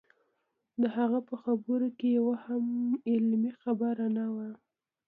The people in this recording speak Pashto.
د هغه په خبرو کې یوه هم علمي خبره نه وه.